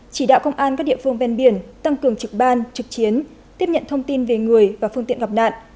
chỉ đạo công an các địa phương ven biển tăng cường trực ban trực chiến tiếp nhận thông tin về người và phương tiện gặp nạn